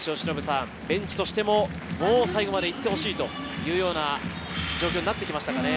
ベンチとしても最後までいってほしいというような状況になってきましたか。